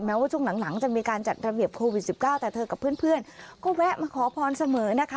ว่าช่วงหลังจะมีการจัดระเบียบโควิด๑๙แต่เธอกับเพื่อนก็แวะมาขอพรเสมอนะคะ